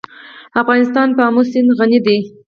افغانستان په آمو سیند غني دی.